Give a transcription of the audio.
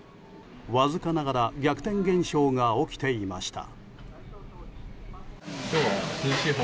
わずかながら逆転現象が起きていました。